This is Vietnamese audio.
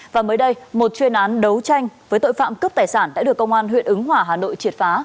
và mới đây một chuyên án đấu tranh với tội phạm cướp tài sản đã được công an huyện ứng hỏa hà nội triệt phá